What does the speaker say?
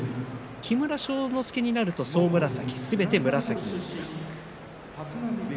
木村庄之助になると総紫、すべて紫です。